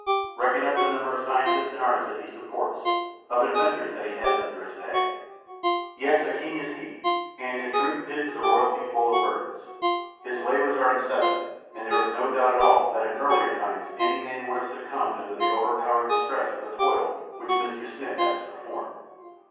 Reckon up the number of scientists and artists that he supports, of inventors that he has under his pay. Yes, a king is he. And in truth his is a royalty full of burdens. His labors are incessant, and there is no doubt at all that in earlier times any man would have succumbed under the overpowering stress of the toil which Mr. Smith has to perform.